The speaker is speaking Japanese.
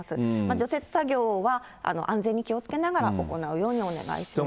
除雪作業は安全に気をつけながら行うようにお願いします。